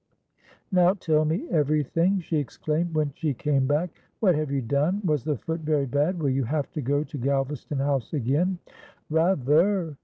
"Now tell me everything," she exclaimed, when she came back. "What have you done? Was the foot very bad? Will you have to go to Galvaston House again?" "Rather!"